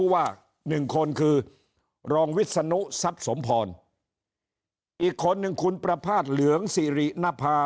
ว่าหนึ่งคนคือรองวิศนุทรัพย์สมพรอีกคนหนึ่งคุณประภาษณ์เหลืองสิรินภา